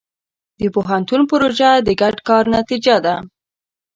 د پوهنتون پروژه د ګډ کار نتیجه ده.